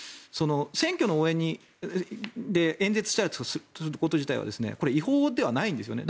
選挙の応援で演説したりとかすること自体はこれは違法ではないんですね。